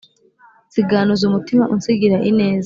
Nsiganuza umutima unsigira ineza,